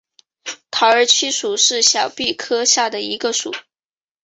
桃儿七属是小檗科下的一个属。